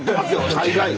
大概。